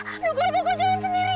aduh gue bohong gue jalan sendiri